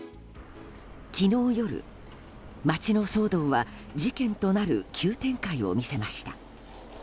昨日夜、町の騒動は事件となる急展開を見せました。